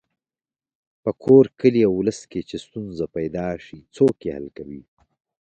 په کور، کلي او ولس کې چې ستونزه پیدا شي څوک یې حل کوي.